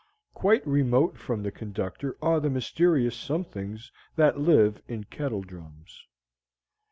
Quite remote from the conductor are the mysterious somethings that live in kettle drums.